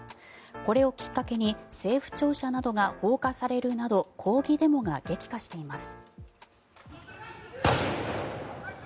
これをきっかけに政府庁舎などが放火されるなど抗議デモが激化しています。